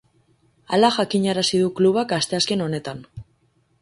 Hala jakinarazi du klubak asteazken honetan.